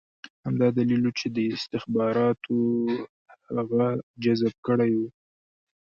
همدا دلیل و چې استخباراتو هغه جذب کړی و